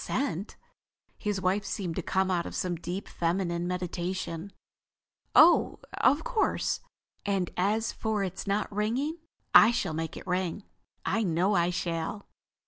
"Sent?" His wife seemed to come out of some deep feminine meditation. "Oh, of course. And as for its not ringing—I shall make it ring. I know I shall."